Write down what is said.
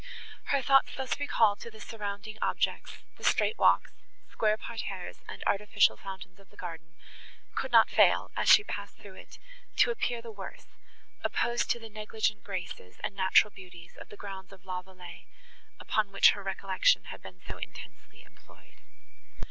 Her thoughts thus recalled to the surrounding objects, the straight walks, square parterres, and artificial fountains of the garden, could not fail, as she passed through it, to appear the worse, opposed to the negligent graces, and natural beauties of the grounds of La Vallée, upon which her recollection had been so intensely employed.